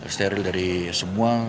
steril dari semua